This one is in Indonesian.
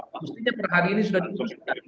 maksudnya perhari ini sudah diutuskan